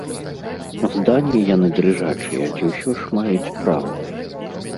Здані яны дрыжачыя ці ўсё ж маюць права?